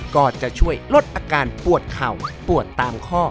ก็จะช่วยลดอาการปวดเข่าปวดตามข้อ